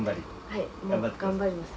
はい頑張ります。